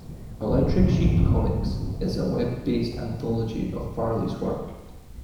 Electric Sheep Comix is a Web-based anthology of Farley's work.